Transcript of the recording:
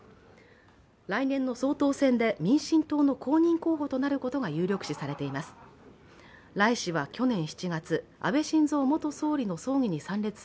来年の総統選で民進党の公認候補となることが有力視されています。